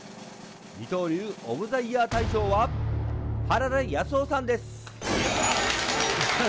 二刀流オブ・ザ・イヤー大賞は原田康夫さんです。